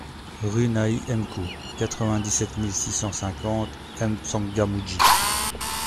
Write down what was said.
Rue Nahi Mkou, quatre-vingt-dix-sept mille six cent cinquante M'Tsangamouji